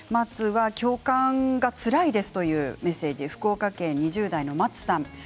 共感がつらいですという福岡県２０代の方です。